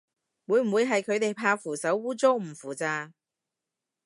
會唔會係佢怕扶手污糟唔扶咋